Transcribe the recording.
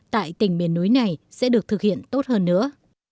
tại tỉnh miền núi này sẽ được thực hiện tốt hơn nữa